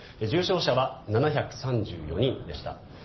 重症者は７３４人でした。